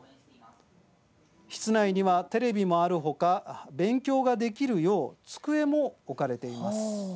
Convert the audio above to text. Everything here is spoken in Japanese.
室内にはテレビもあるほか勉強ができるよう机も置かれています。